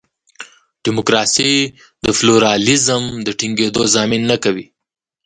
ډیموکراسي د پلورالېزم د ټینګېدو ضامن نه کوي.